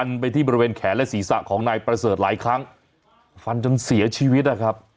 เนี่ยครับแล้วมีปากเสียงกันแบบเนี่ยครับ